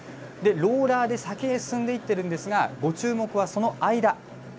ローラーで先へ進んでいっているんですが、ご注目はその間。